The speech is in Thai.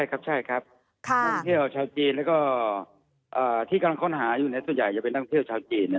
ครับใช่ครับชาวจีนแล้วก็ที่กำลังค้นหาอยู่ในสุดใหญ่จะเป็นนักท่องเที่ยวชาวจีนนะครับ